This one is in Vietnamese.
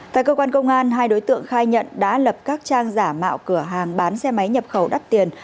tại cơ quan công an hai đối tượng khai nhận đã lập các trang giả mạo cửa hàng bán xe máy nhập khẩu đắt tiền